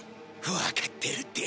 わかってるって。